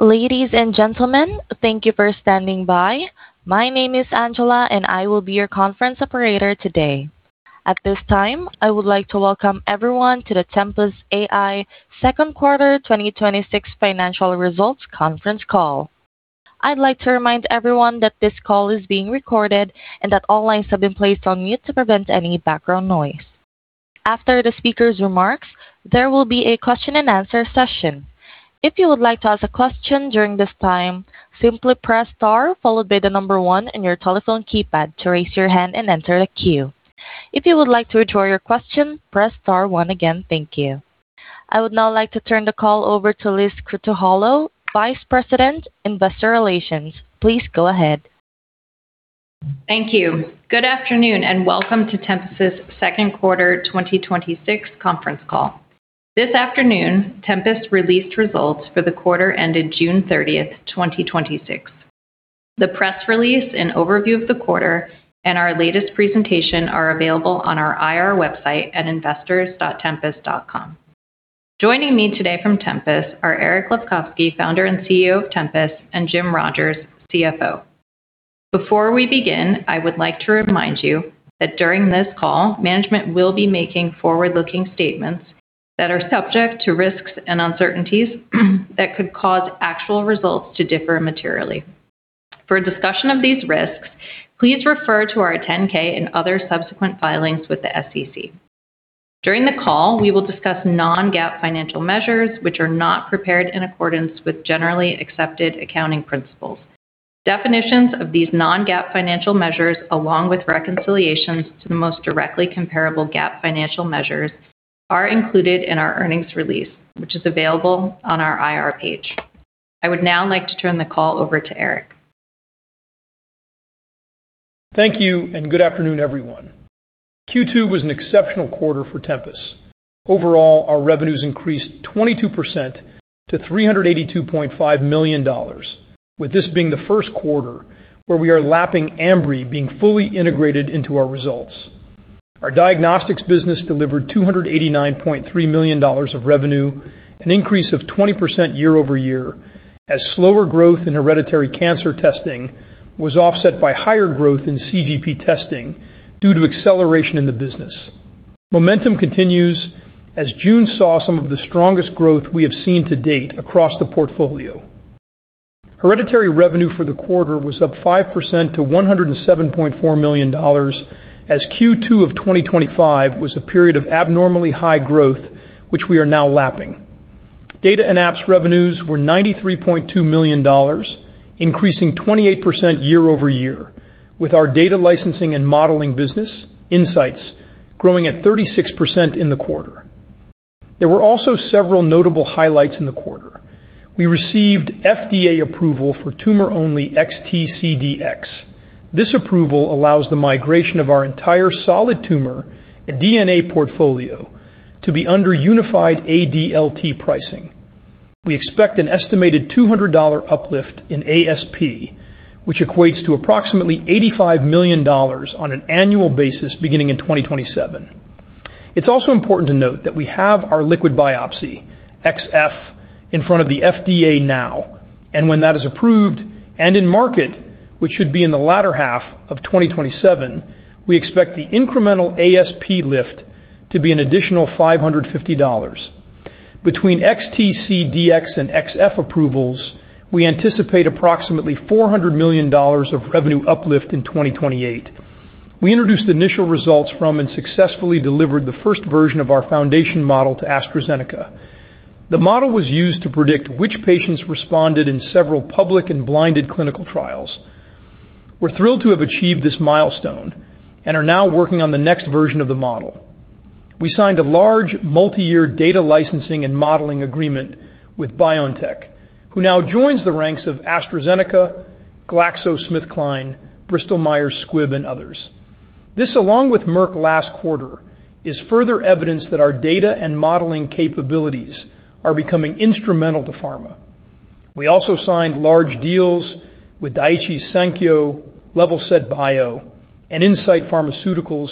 Ladies and gentlemen, thank you for standing by. My name is Angela, and I will be your conference operator today. At this time, I would like to welcome everyone to the Tempus AI Second Quarter 2026 Financial Results Conference Call. I'd like to remind everyone that this call is being recorded and that all lines have been placed on mute to prevent any background noise. After the speaker's remarks, there will be a question-and-answer session. If you would like to ask a question during this time, simply press star followed by the number one on your telephone keypad to raise your hand and enter the queue. If you would like to withdraw your question, press star one again. Thank you. I would now like to turn the call over to Elizabeth Krutoholow, Vice President, Investor Relations. Please go ahead. Thank you. Good afternoon, and welcome to Tempus' second quarter 2026 conference call. This afternoon, Tempus released results for the quarter ended June 30th, 2026. The press release, an overview of the quarter, and our latest presentation are available on our IR website at investors.tempus.com. Joining me today from Tempus are Eric Lefkofsky, Founder and CEO of Tempus, and Jim Rogers, CFO. Before we begin, I would like to remind you that during this call, management will be making forward-looking statements that are subject to risks and uncertainties that could cause actual results to differ materially. For a discussion of these risks, please refer to our 10-K and other subsequent filings with the SEC. During the call, we will discuss non-GAAP financial measures which are not prepared in accordance with generally accepted accounting principles. Definitions of these non-GAAP financial measures, along with reconciliations to the most directly comparable GAAP financial measures are included in our earnings release, which is available on our IR page. I would now like to turn the call over to Eric. Thank you, and good afternoon, everyone. Q2 was an exceptional quarter for Tempus. Overall, our revenues increased 22% to $382.5 million, with this being the first quarter where we are lapping Ambry being fully integrated into our results. Our Diagnostics business delivered $289.3 million of revenue, an increase of 20% year-over-year, as slower growth in hereditary cancer testing was offset by higher growth in CGP testing due to acceleration in the business. Momentum continues as June saw some of the strongest growth we have seen to date across the portfolio. Hereditary revenue for the quarter was up 5% to $107.4 million, as Q2 of 2025 was a period of abnormally high growth, which we are now lapping. Data and Apps revenues were $93.2 million, increasing 28% year-over-year, with our data licensing and modeling business, Insights, growing at 36% in the quarter. There were also several notable highlights in the quarter. We received FDA approval for tumor-only xT CDx. This approval allows the migration of our entire solid tumor DNA portfolio to be under unified ADLT pricing. We expect an estimated $200 uplift in ASP, which equates to approximately $85 million on an annual basis beginning in 2027. It's also important to note that we have our liquid biopsy, xF, in front of the FDA now, and when that is approved and in-market, which should be in the latter half of 2027, we expect the incremental ASP lift to be an additional $550. Between xT CDx and xF approvals, we anticipate approximately $400 million of revenue uplift in 2028. We introduced initial results from and successfully delivered the first version of our foundation model to AstraZeneca. The model was used to predict which patients responded in several public and blinded clinical trials. We're thrilled to have achieved this milestone and are now working on the next version of the model. We signed a large multi-year data licensing and modeling agreement with BioNTech, who now joins the ranks of AstraZeneca, GlaxoSmithKline, Bristol Myers Squibb, and others. This, along with Merck last quarter, is further evidence that our data and modeling capabilities are becoming instrumental to pharma. We also signed large deals with Daiichi Sankyo, LevelSet Bio, and Incyte Pharmaceuticals,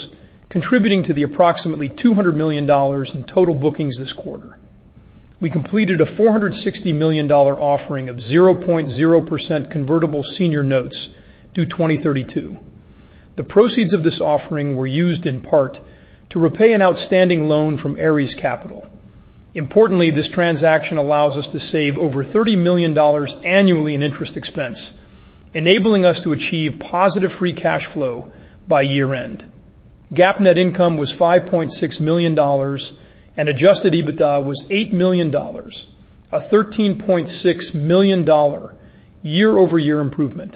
contributing to the approximately $200 million in total bookings this quarter. We completed a $460 million offering of 0.0% convertible senior notes due 2032. The proceeds of this offering were used in part to repay an outstanding loan from Ares Capital. Importantly, this transaction allows us to save over $30 million annually in interest expense, enabling us to achieve positive free cash flow by year-end. GAAP net income was $5.6 million, and Adjusted EBITDA was $8 million, a $13.6 million year-over-year improvement.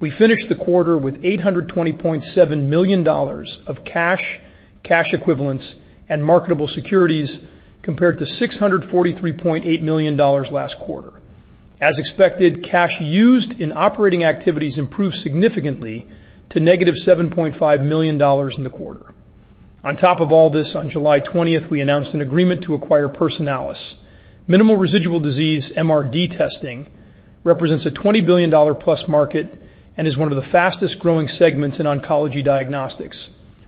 We finished the quarter with $820.7 million of cash equivalents, and marketable securities compared to $643.8 million last quarter. As expected, cash used in operating activities improved significantly to negative $7.5 million in the quarter. On top of all this, on July 20th, we announced an agreement to acquire Personalis. Minimal residual disease, MRD testing represents a $20 billion+ market and is one of the fastest-growing segments in oncology diagnostics.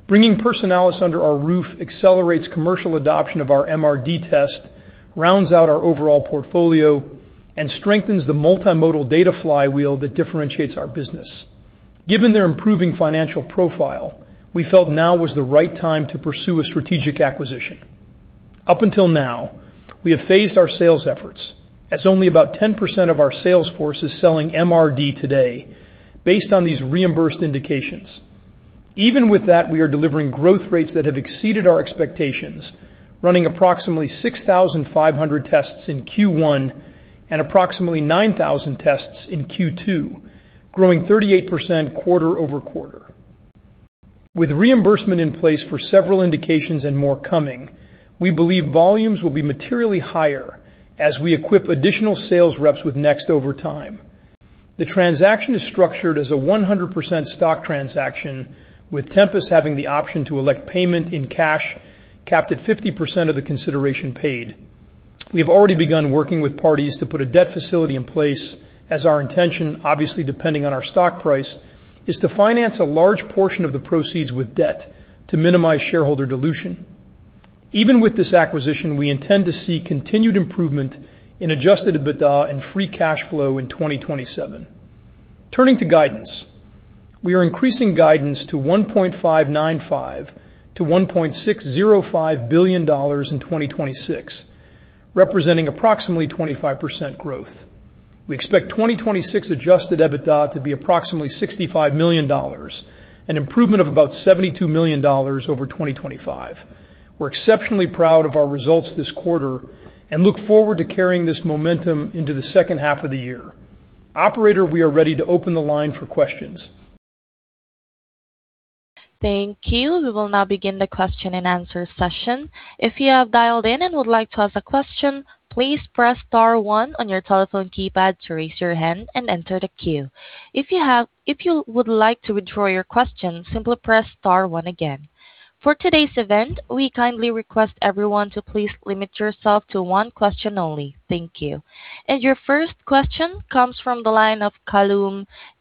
Bringing Personalis under our roof accelerates commercial adoption of our MRD test, rounds out our overall portfolio, and strengthens the multimodal data flywheel that differentiates our business. Given their improving financial profile, we felt now was the right time to pursue a strategic acquisition. Up until now, we have phased our sales efforts, as only about 10% of our sales force is selling MRD today based on these reimbursed indications. Even with that, we are delivering growth rates that have exceeded our expectations, running approximately 6,500 tests in Q1 and approximately 9,000 tests in Q2, growing 38% quarter-over-quarter. With reimbursement in place for several indications and more coming, we believe volumes will be materially higher as we equip additional sales reps with NeXT over time. The transaction is structured as a 100% stock transaction, with Tempus having the option to elect payment in cash, capped at 50% of the consideration paid. We have already begun working with parties to put a debt facility in place as our intention, obviously depending on our stock price, is to finance a large portion of the proceeds with debt to minimize shareholder dilution. Even with this acquisition, we intend to see continued improvement in Adjusted EBITDA and free cash flow in 2027. Turning to guidance. We are increasing guidance to $1.595 billion-$1.605 billion in 2026, representing approximately 25% growth. We expect 2026 Adjusted EBITDA to be approximately $65 million, an improvement of about $72 million over 2025. We're exceptionally proud of our results this quarter and look forward to carrying this momentum into the second half of the year. Operator, we are ready to open the line for questions. Thank you. We will now begin the question-and-answer session. If you have dialed in and would like to ask a question, please press star one on your telephone keypad to raise your hand and enter the queue. If you would like to withdraw your question, simply press star one again. For today's event, we kindly request everyone to please limit yourself to one question only. Thank you. Your first question comes from the line of Kallum Titchmarsh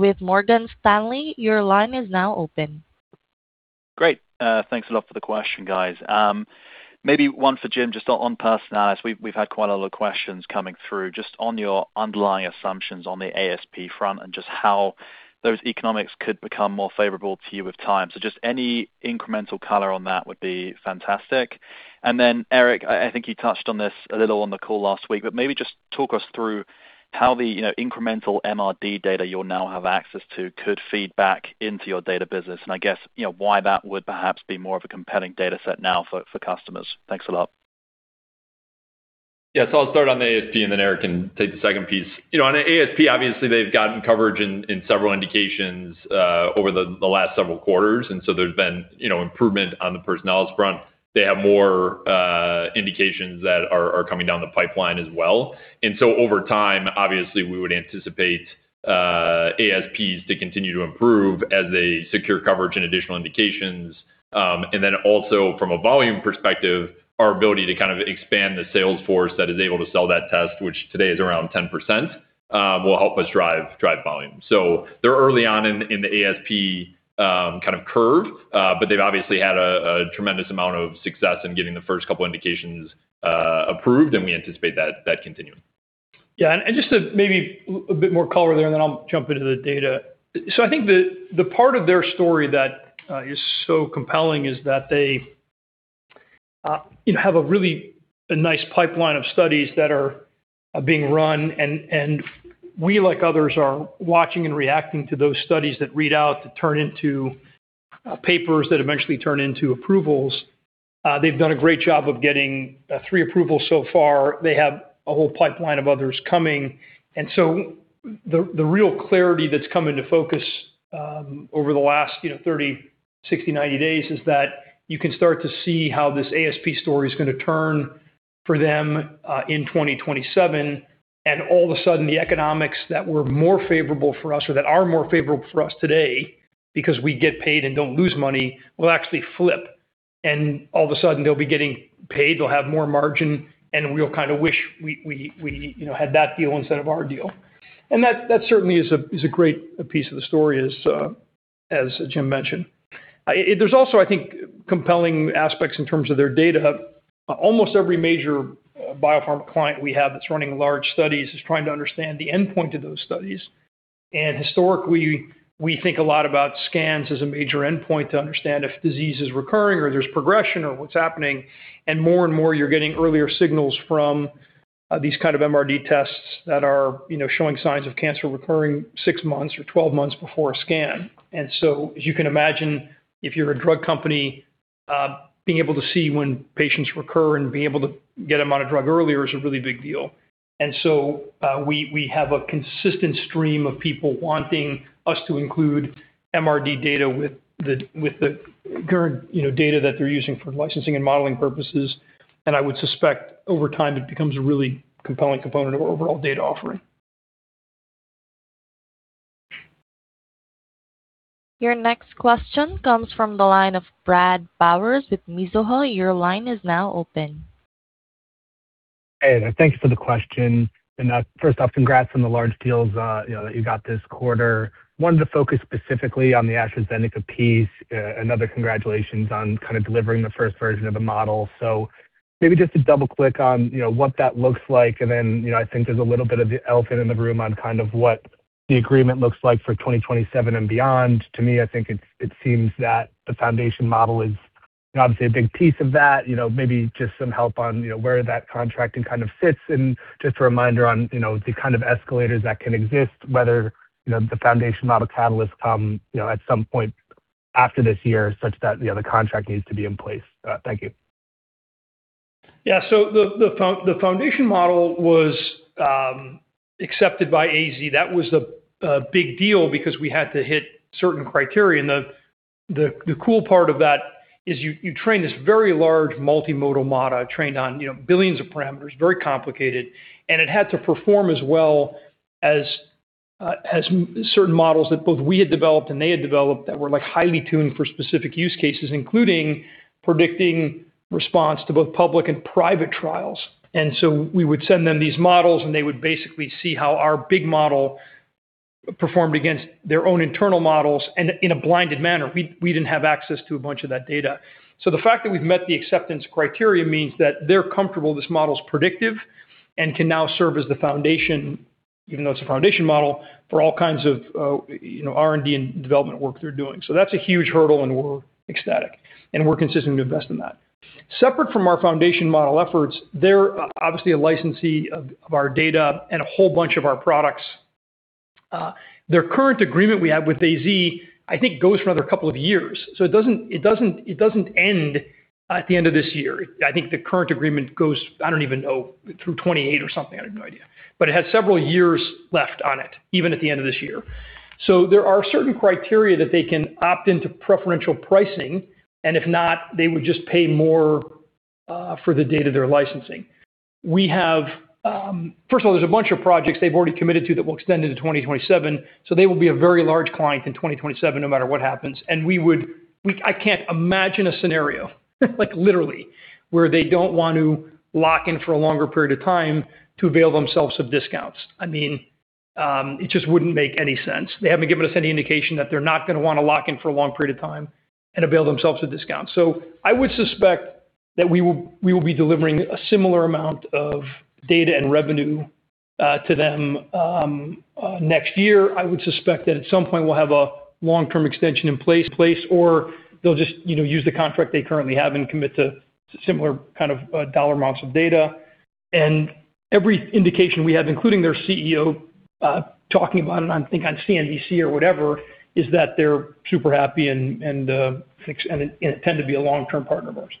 with Morgan Stanley. Your line is now open. Great. Thanks a lot for the question, guys. Maybe one for Jim, just on Personalis. We've had quite a lot of questions coming through just on your underlying assumptions on the ASP front and just how those economics could become more favorable to you with time. Just any incremental color on that would be fantastic. Eric, I think you touched on this a little on the call last week, but maybe just talk us through how the incremental MRD data you'll now have access to could feed back into your data business, and I guess why that would perhaps be more of a compelling data set now for customers. Thanks a lot. I'll start on the ASP, and then Eric can take the second piece. On the ASP, obviously they've gotten coverage in several indications over the last several quarters, and so there's been improvement on the Personalis front. They have more indications that are coming down the pipeline as well. Over time, obviously we would anticipate ASPs to continue to improve as they secure coverage and additional indications. Also from a volume perspective, our ability to expand the sales force that is able to sell that test, which today is around 10%, will help us drive volume. They're early on in the ASP curve, but they've obviously had a tremendous amount of success in getting the first couple indications approved, and we anticipate that continuing. Just to maybe a bit more color there, and then I'll jump into the data. I think the part of their story that is so compelling is that they have a really nice pipeline of studies that are being run, and we, like others, are watching and reacting to those studies that read out to turn into papers that eventually turn into approvals. They've done a great job of getting three approvals so far. They have a whole pipeline of others coming. The real clarity that's come into focus over the last 30, 60, 90 days is that you can start to see how this ASP story is going to turn for them in 2027. All of a sudden, the economics that were more favorable for us or that are more favorable for us today because we get paid and don't lose money, will actually flip, and all of a sudden they'll be getting paid, they'll have more margin, and we'll wish we had that deal instead of our deal. That certainly is a great piece of the story, as Jim mentioned. There's also, I think, compelling aspects in terms of their data. Almost every major biopharma client we have that's running large studies is trying to understand the endpoint of those studies. Historically, we think a lot about scans as a major endpoint to understand if disease is recurring or there's progression or what's happening. More and more, you're getting earlier signals from these MRD tests that are showing signs of cancer recurring six months or 12 months before a scan. As you can imagine, if you're a drug company, being able to see when patients recur and being able to get them on a drug earlier is a really big deal. We have a consistent stream of people wanting us to include MRD data with the current data that they're using for licensing and modeling purposes. I would suspect over time, it becomes a really compelling component of our overall data offering. Your next question comes from the line of Brad Bowers with Mizuho. Your line is now open. Hey, there. Thanks for the question. First off, congrats on the large deals that you got this quarter. Wanted to focus specifically on the AstraZeneca piece. Another congratulations on delivering the first version of the model. Maybe just to double-click on what that looks like, then I think there's a little bit of the elephant in the room on what the agreement looks like for 2027 and beyond. To me, I think it seems that the foundation model is obviously a big piece of that. Maybe just some help on where that contracting fits. Just a reminder on the kind of escalators that can exist, whether the foundation model catalysts come at some point after this year such that the contract needs to be in place. Thank you. Yeah. The foundation model was accepted by AZ. That was a big deal because we had to hit certain criteria. The cool part of that is you train this very large multimodal model trained on billions of parameters, very complicated, and it had to perform as well as certain models that both we had developed and they had developed that were highly tuned for specific use cases, including predicting response to both public and private trials. We would send them these models, they would basically see how our big model performed against their own internal models and in a blinded manner. We didn't have access to a bunch of that data. The fact that we've met the acceptance criteria means that they're comfortable this model's predictive and can now serve as the foundation, even though it's a foundation model, for all kinds of R&D and development work they're doing. That's a huge hurdle, we're ecstatic, we're consistent to invest in that. Separate from our foundation model efforts, they're obviously a licensee of our data and a whole bunch of our products. Their current agreement we have with the AZ, I think, goes for another couple of years. It doesn't end at the end of this year. I think the current agreement goes, I don't even know, through 2028 or something. I have no idea. It has several years left on it, even at the end of this year. There are certain criteria that they can opt into preferential pricing, if not, they would just pay more for the data they're licensing. First of all, there's a bunch of projects they've already committed to that will extend into 2027. They will be a very large client in 2027, no matter what happens. I can't imagine a scenario literally where they don't want to lock in for a longer period of time to avail themselves of discounts. It just wouldn't make any sense. They haven't given us any indication that they're not going to want to lock in for a long period of time and avail themselves of discounts. I would suspect that we will be delivering a similar amount of data and revenue to them next year. I would suspect that at some point we'll have a long-term extension in place, or they'll just use the contract they currently have and commit to similar dollar amounts of data. Every indication we have, including their CEO talking about it, I think on CNBC or whatever, is that they're super happy and intend to be a long-term partner of ours.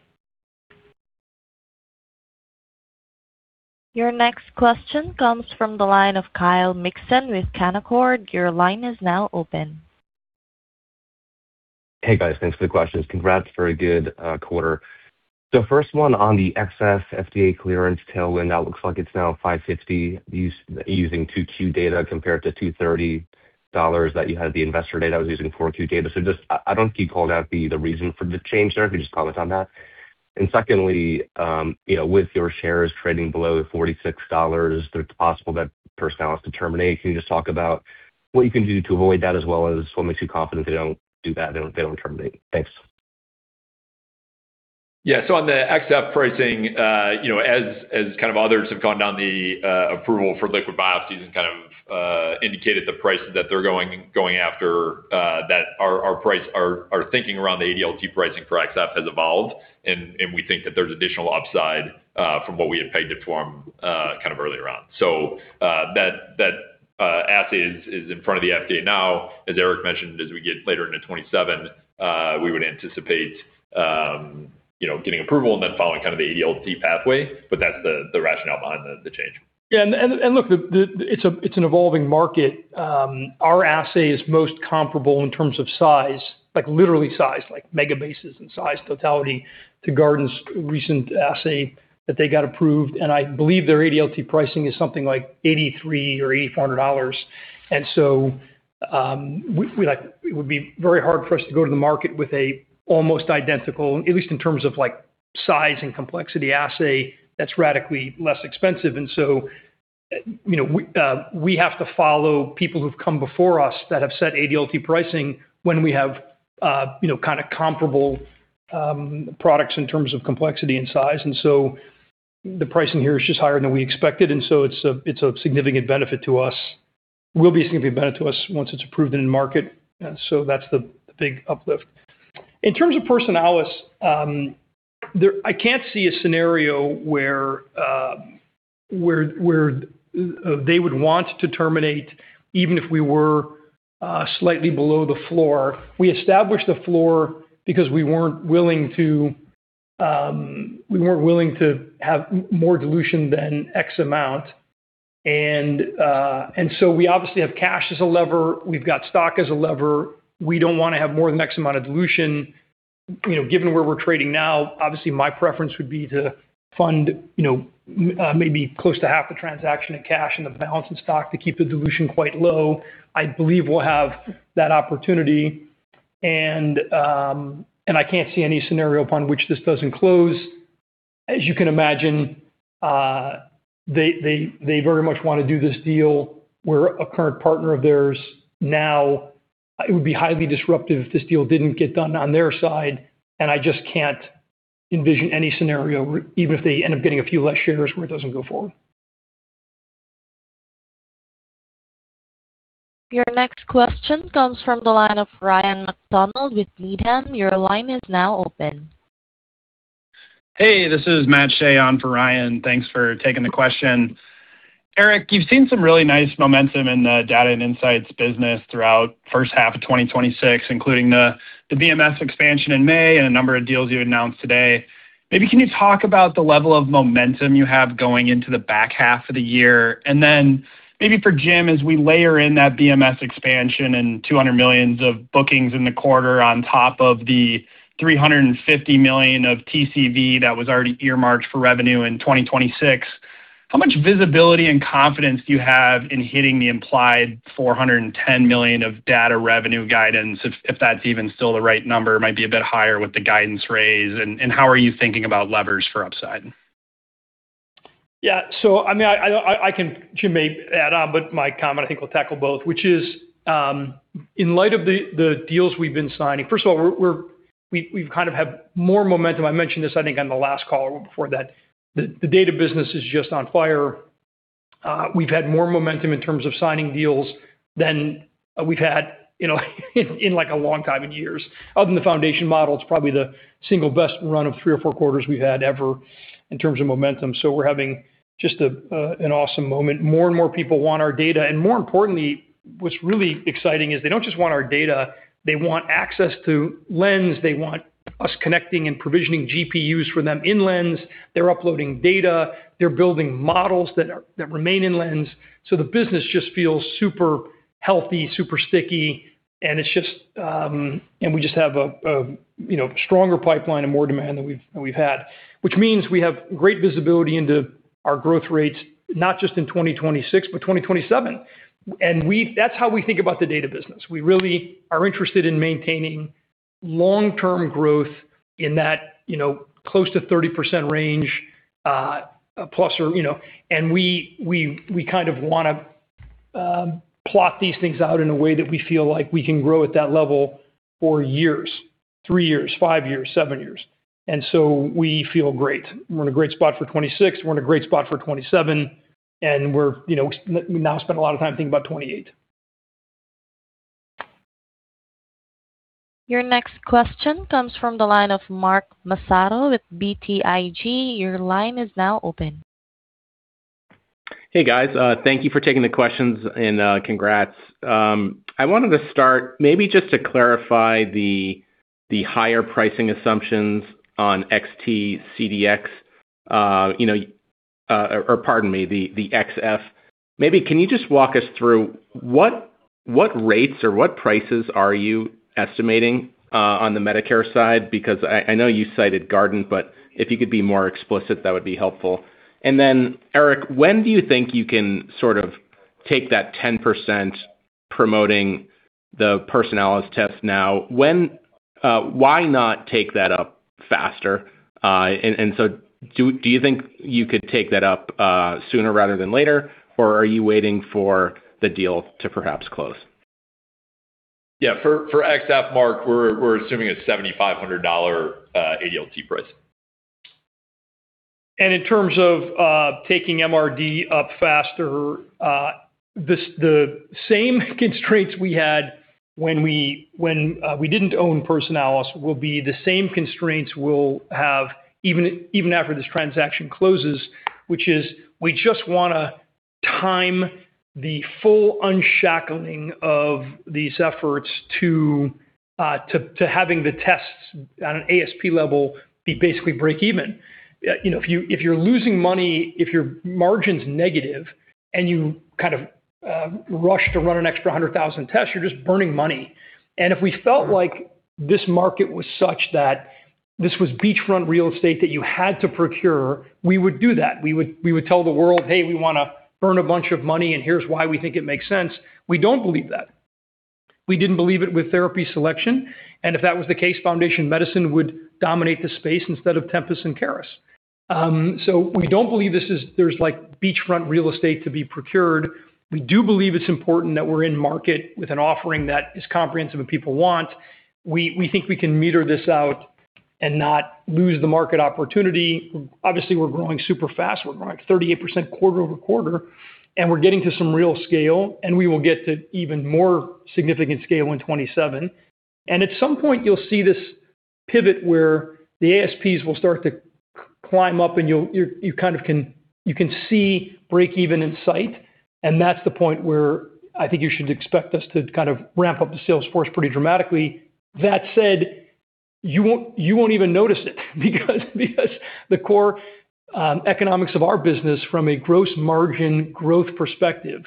Your next question comes from the line of Kyle Mikson with Canaccord. Your line is now open. Hey, guys. Thanks for the questions. Congrats, very good quarter. First one on the xF FDA clearance tailwind, that looks like it's now $550 using 2Q data compared to $230 that you had at the investor day that was using 4Q data. Just I don't think you called out the reason for the change there. Can you just comment on that? Secondly, with your shares trading below $46, there's a possible that Personalis to terminate. Can you just talk about what you can do to avoid that as well as what makes you confident they don't do that, they don't terminate? Thanks. Yeah. On the xF pricing, as others have gone down the approval for liquid biopsies and indicated the prices that they're going after, our thinking around the ADLT pricing for xF has evolved, and we think that there's additional upside from what we had pegged it for earlier on. That assay is in front of the FDA now. As Eric mentioned, as we get later into 2027, we would anticipate getting approval and then following the ADLT pathway. That's the rationale behind the change. Yeah. Look, it's an evolving market. Our assay is most comparable in terms of size, like literally size-like megabases in size totality to Guardant's recent assay that they got approved, and I believe their ADLT pricing is something like $83 or $8,400. It would be very hard for us to go to the market with a almost identical, at least in terms of size and complexity assay that's radically less expensive. We have to follow people who've come before us that have set ADLT pricing when we have comparable products in terms of complexity and size. The pricing here is just higher than we expected, and so it's a significant benefit to us. Will be a significant benefit to us once it's approved and in market. That's the big uplift. In terms of Personalis, I can't see a scenario where they would want to terminate, even if we were slightly below the floor. We established the floor because we weren't willing to have more dilution than X amount. We obviously have cash as a lever. We've got stock as a lever. We don't want to have more than X amount of dilution. Given where we're trading now, obviously my preference would be to fund maybe close to half the transaction in cash and the balance in stock to keep the dilution quite low. I believe we'll have that opportunity, and I can't see any scenario upon which this doesn't close. As you can imagine, they very much want to do this deal. We're a current partner of theirs now. It would be highly disruptive if this deal didn't get done on their side, and I just can't envision any scenario where even if they end up getting a few less shares where it doesn't go forward. Your next question comes from the line of Ryan MacDonald with Needham. Your line is now open. Hey, this is Matt Shea on for Ryan. Thanks for taking the question. Eric, you've seen some really nice momentum in the data and Insights business throughout the first half of 2026, including the BMS expansion in May and a number of deals you announced today. Maybe can you talk about the level of momentum you have going into the back half of the year? Maybe for Jim, as we layer in that BMS expansion and $200 million of bookings in the quarter on top of the $350 million of TCV that was already earmarked for revenue in 2026, how much visibility and confidence do you have in hitting the implied $410 million of data revenue guidance, if that's even still the right number? It might be a bit higher with the guidance raise. How are you thinking about levers for upside? Yeah. I can, Jim, maybe add on, but my comment I think will tackle both, which is, in light of the deals we've been signing, first of all, we've had more momentum. I mentioned this, I think on the last call or before that, the data business is just on fire. We've had more momentum in terms of signing deals than we've had in a long time, in years. Other than the Foundation model, it's probably the single best run of three or four quarters we've had ever in terms of momentum. We're having just an awesome moment. More and more people want our data, more importantly, what's really exciting is they don't just want our data, they want access to Lens. They want us connecting and provisioning GPUs for them in Lens. They're uploading data. They're building models that remain in Lens. The business just feels super healthy, super sticky, and we just have a stronger pipeline and more demand than we've had, which means we have great visibility into our growth rates, not just in 2026, but 2027. That's how we think about the data business. We really are interested in maintaining long-term growth in that close to 30% range plus. We want to plot these things out in a way that we feel like we can grow at that level for years, three years, five years, seven years. We feel great. We're in a great spot for 2026. We're in a great spot for 2027, and we now spend a lot of time thinking about 2028. Your next question comes from the line of Mark Massaro with BTIG. Your line is now open. Hey, guys. Thank you for taking the questions and congrats. I wanted to start maybe just to clarify the higher pricing assumptions on xT CDx, or pardon me, the xF. Can you just walk us through what rates or what prices are you estimating on the Medicare side? Because I know you cited Guardant, but if you could be more explicit, that would be helpful. Eric, when do you think you can take that 10% promoting the Personalis test now? Why not take that up faster? Do you think you could take that up sooner rather than later, or are you waiting for the deal to perhaps close? Yeah. For xF, Mark, we're assuming a $7,500 ADLT price. In terms of taking MRD up faster, the same constraints we had when we didn't own Personalis will be the same constraints we'll have even after this transaction closes, which is we just want to time the full unshackling of these efforts to having the tests at an ASP level be basically break even. If you're losing money, if your margin's negative and you rush to run an extra 100,000 tests, you're just burning money. If we felt like this market was such that this was beachfront real estate that you had to procure, we would do that. We would tell the world, "Hey, we want to burn a bunch of money, and here's why we think it makes sense." We don't believe that. We didn't believe it with therapy selection, and if that was the case, Foundation Medicine would dominate the space instead of Tempus and Caris. We don't believe there's beachfront real estate to be procured. We do believe it's important that we're in market with an offering that is comprehensive and people want. We think we can meter this out and not lose the market opportunity. Obviously, we're growing super fast. We're growing at 38% quarter-over-quarter, and we're getting to some real scale, and we will get to even more significant scale in 2027. At some point, you'll see this pivot where the ASPs will start to climb up and you can see break-even in sight, and that's the point where I think you should expect us to ramp up the sales force pretty dramatically. That said, you won't even notice it because the core economics of our business from a gross margin growth perspective.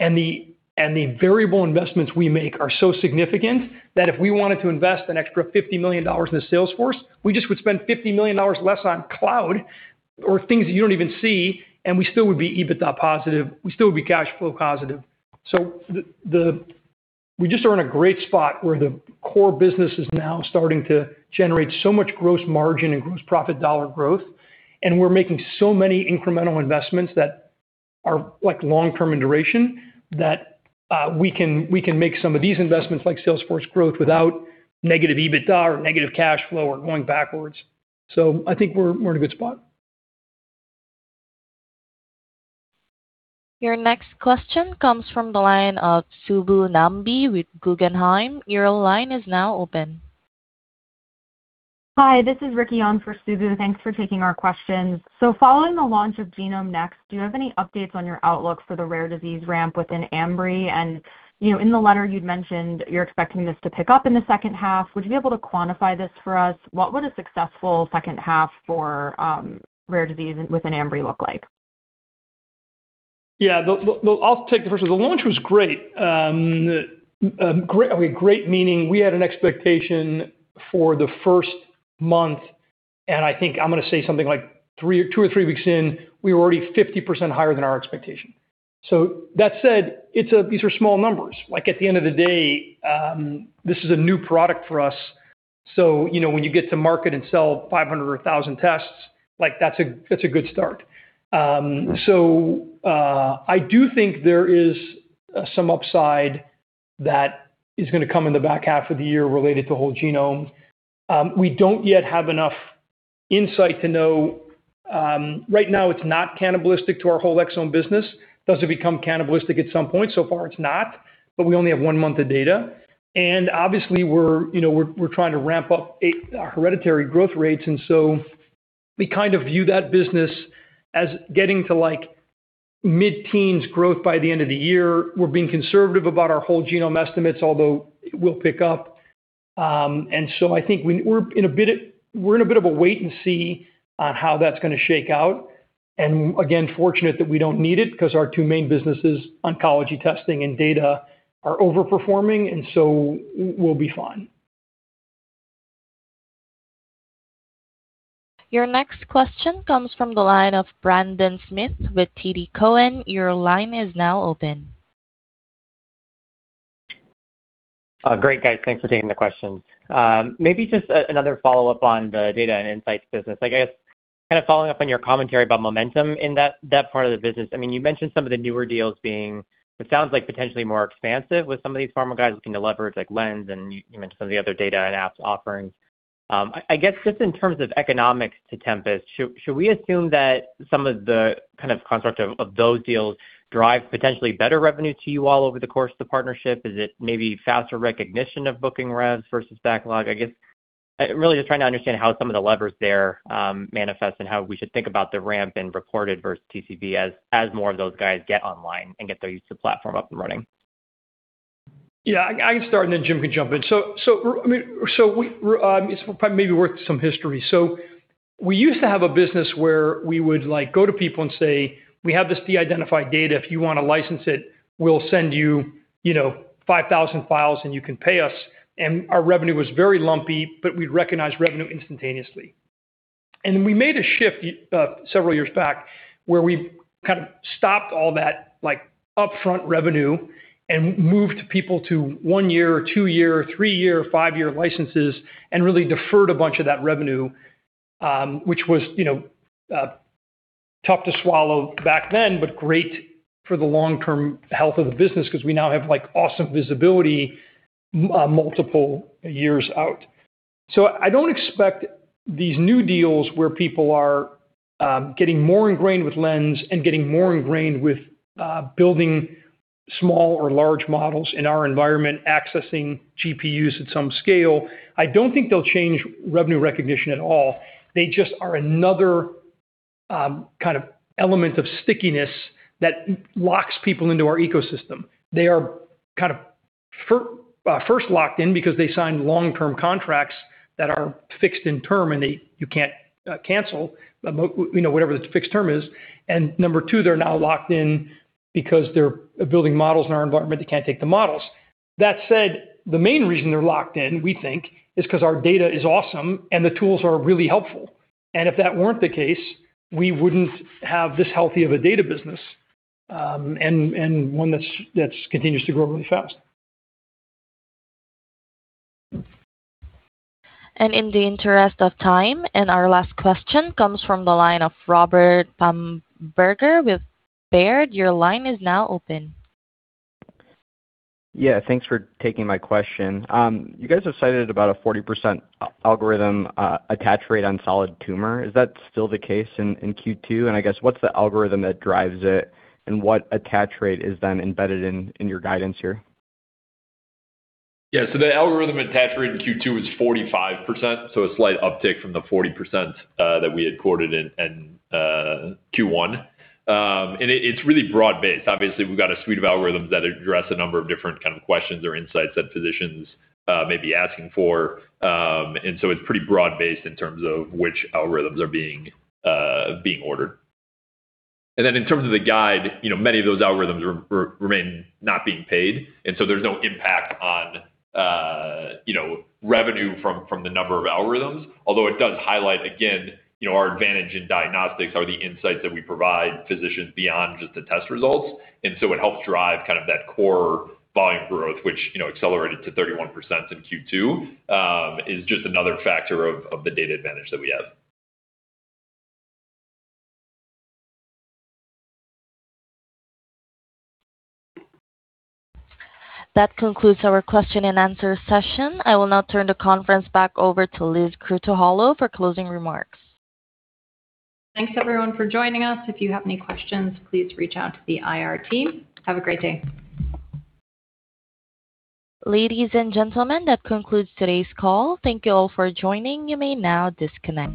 The variable investments we make are so significant that if we wanted to invest an extra $50 million in the sales force, we just would spend $50 million less on cloud or things that you don't even see, and we still would be EBITDA-positive, we still would be cash-flow-positive. We just are in a great spot where the core business is now starting to generate so much gross margin and gross profit dollar growth, and we're making so many incremental investments that are long-term in duration that we can make some of these investments, like sales force growth, without negative EBITDA or negative cash flow or going backwards. I think we're in a good spot. Your next question comes from the line of Subbu Nambi with Guggenheim. Your line is now open. Hi, this is Ricki on for Subbu. Thanks for taking our questions. Following the launch of GenomeNext, do you have any updates on your outlook for the rare disease ramp within Ambry? In the letter you'd mentioned you're expecting this to pick up in the second half. Would you be able to quantify this for us? What would a successful second half for rare disease within Ambry look like? Yeah. I'll take the first one. The launch was great. Great, meaning we had an expectation for the first month, and I think I'm going to say something like two or three weeks in, we were already 50% higher than our expectation. That said, these are small numbers. At the end of the day, this is a new product for us, so when you get to market and sell 500 or 1,000 tests, that's a good start. I do think there is some upside that is going to come in the back half of the year related to whole genome. We don't yet have enough insight to know. Right now, it's not cannibalistic to our whole exome business. It doesn't become cannibalistic at some point. It's not, but we only have one month of data, obviously, we're trying to ramp up our hereditary growth rates, we view that business as getting to mid-teens growth by the end of the year. We're being conservative about our whole genome estimates, although it will pick up. I think we're in a bit of a wait and see on how that's going to shake out, again, fortunate that we don't need it because our two main businesses, oncology testing and data, are over-performing, we'll be fine. Your next question comes from the line of Brendan Smith with TD Cowen. Your line is now open. Great, guys. Thanks for taking the question. Maybe just another follow-up on the data and Insights business. Following up on your commentary about momentum in that part of the business. You mentioned some of the newer deals being, it sounds like potentially more expansive with some of these pharma guys looking to leverage Lens, you mentioned some of the other data and apps offerings. Just in terms of economics to Tempus, should we assume that some of the concept of those deals drive potentially better revenue to you all over the course of the partnership? Is it maybe faster recognition of booking revs versus backlog? Really just trying to understand how some of the levers there manifest and how we should think about the ramp in reported versus TCV as more of those guys get online and get their use of the platform up and running. Yeah, I can start and then Jim can jump in. It's probably maybe worth some history. We used to have a business where we would go to people and say, "We have this de-identified data. If you want to license it, we'll send you 5,000 files and you can pay us." Our revenue was very lumpy, but we'd recognize revenue instantaneously. Then we made a shift several years back where we stopped all that upfront revenue and moved people to one-year or two-year or three-year or five-year licenses and really deferred a bunch of that revenue, which was tough to swallow back then, but great for the long-term health of the business because we now have awesome visibility multiple years out. I don't expect these new deals where people are getting more ingrained with Lens and getting more ingrained with building small or large models in our environment, accessing GPUs at some scale. I don't think they'll change revenue recognition at all. They just are another element of stickiness that locks people into our ecosystem. They are first locked in because they sign long-term contracts that are fixed in term, and you can't cancel whatever the fixed term is. Number two, they're now locked in because they're building models in our environment, they can't take the models. That said, the main reason they're locked in, we think, is because our data is awesome and the tools are really helpful. If that weren't the case, we wouldn't have this healthy of a data business, and one that continues to grow really fast. In the interest of time, our last question comes from the line of Robert Bamberger with Baird. Your line is now open. Yeah, thanks for taking my question. You guys have cited about a 40% algorithm attach rate on solid tumor. Is that still the case in Q2? I guess, what's the algorithm that drives it and what attach rate is then embedded in your guidance here? The algorithm attach rate in Q2 is 45%, a slight uptick from the 40% that we had quoted in Q1. It's really broad-based. Obviously, we've got a suite of algorithms that address a number of different questions or insights that physicians may be asking for, and so it's pretty broad-based in terms of which algorithms are being ordered. Then in terms of the guide, many of those algorithms remain not being paid, and so there's no impact on revenue from the number of algorithms. Although it does highlight, again, our advantage in diagnostics are the insights that we provide physicians beyond just the test results. It helps drive that core volume growth, which accelerated to 31% in Q2, is just another factor of the data advantage that we have. That concludes our question-and-answer session. I will now turn the conference back over to Liz Krutoholow for closing remarks. Thanks everyone for joining us. If you have any questions, please reach out to the IR team. Have a great day. Ladies and gentlemen, that concludes today's call. Thank you all for joining. You may now disconnect.